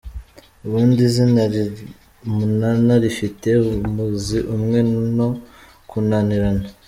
Ubundi izina Munana rifite umuzi umwe no kunanirana.